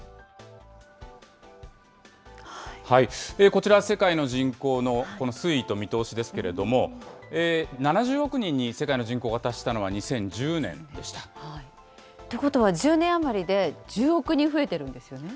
こちら、世界の人口のこの推移と見通しですけれども、７０億人に世界の人口が達したのは２０１０年でした。ということは、１０年余りで１０億人増えてるんですよね。